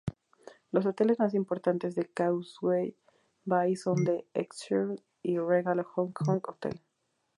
Los hoteles más importantes de Causeway Bay son The Excelsior y Regal HongKong Hotel.